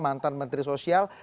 mantan menteri sosial